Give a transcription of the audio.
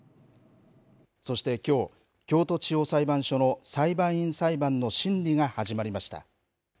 そしてきょう、京都地方裁判所の裁判員裁判の審理が始まりました。